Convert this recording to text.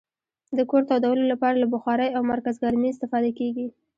د کور تودولو لپاره له بخارۍ او مرکزګرمي استفاده کیږي.